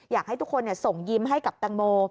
อยากให้ทุกคนส่งยิ้มให้กับแตงโม